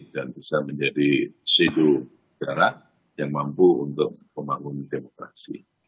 dan bisa menjadi sisi negara yang mampu untuk membangun demokrasi